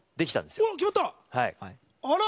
あら！